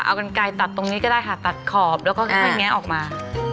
เอากันไกลตัดตรงนี้ก็ได้ค่ะตัดขอบแล้วก็ค่อยแงะออกมา